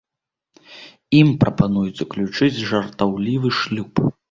Ім прапануюць заключыць жартаўлівы шлюб.